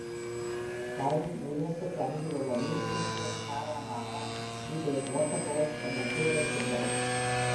ரயில் நிலையத்திற்கு அருகிலுள்ள நீர்வீழ்ச்சிகளின் காரணமாக இது வாட்டர்ஃபால்ஸ் என்ற பெயரைப் பெற்றது.